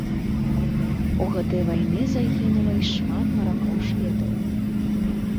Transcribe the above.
У гады вайны загінула і шмат маракоў-шведаў.